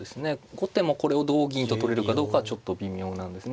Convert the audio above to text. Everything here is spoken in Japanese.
後手もこれを同銀と取れるかどうかはちょっと微妙なんですね。